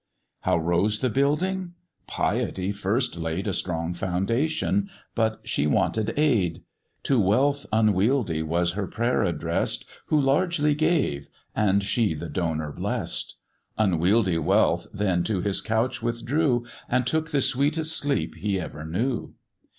"How rose the Building?" Piety first laid A strong foundation, but she wanted aid; To Wealth unwieldy was her prayer address'd, Who largely gave, and she the donor bless'd: Unwieldy Wealth then to his couch withdrew, And took the sweetest sleep he ever knew.